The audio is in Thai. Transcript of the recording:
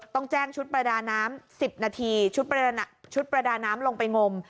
ต้องแจ้งชุดประดาน้ำ๑๐นาทีชุดประดาน้ำลงไปงม